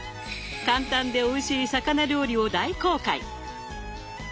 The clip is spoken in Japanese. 簡単でおいしい魚料理を大公開！